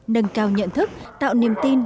nâng cao nhận thức tạo niềm tin